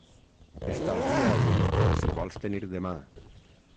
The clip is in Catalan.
Estalvia avui, si vols tenir demà.